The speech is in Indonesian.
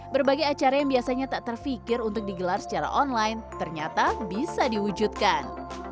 berbagai acara yang biasanya tak terfikir untuk digelar secara online ternyata bisa diwujudkan